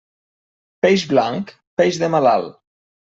Peix blanc, peix de malalt.